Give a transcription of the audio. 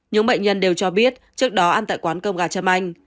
những bệnh nhân đều cho biết trước đó ăn tại quán cơm gà châm anh